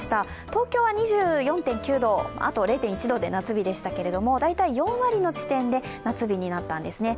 東京は２４．９度、あと０．１度で夏日でしたけれども、大体４割の地点で夏日になったんですね。